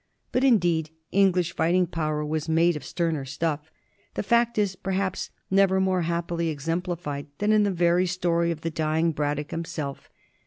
But, indeed, English fighting power was made of sterner stuff. The fact is, perhaps, never more happily exemplified than in this very story of the dying Braddock himself.